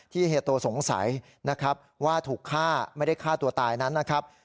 เฮียโตสงสัยนะครับว่าถูกฆ่าไม่ได้ฆ่าตัวตายนั้นนะครับ